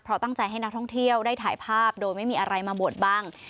เพราะตั้งใจให้นักท่องเที่ยวได้ถ่ายภาพโดยไม่มีอะไรมาบวชบ้าง